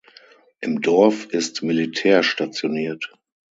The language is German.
In Dorf ist Militär stationiert.